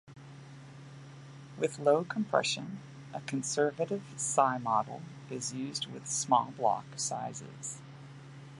With low compression, a conservative psy-model is used with small block sizes.